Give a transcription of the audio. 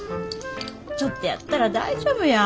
ちょっとやったら大丈夫や。